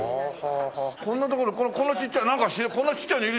こんなところこんなちっちゃいこんなちっちゃいのいるじゃん。